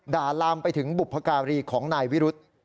ลาลามไปถึงบุพการีของนายวิรุธ